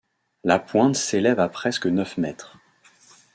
La pointe s’élève à presque neuf mètres.